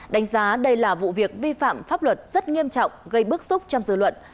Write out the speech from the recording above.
đánh giá đây là vụ việc vi phạm pháp luật rất nghiêm trọng gây bức xúc trong dư luận